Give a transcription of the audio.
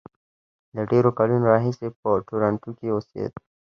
له ډېرو کلونو راهیسې په ټورنټو کې اوسېد.